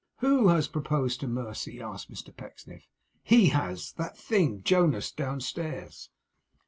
'Who has proposed to Mercy!' asked Mr Pecksniff. 'HE has. That thing, Jonas, downstairs.